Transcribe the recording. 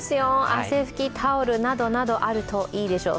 汗拭きタオルなどなどあるといいでしょう。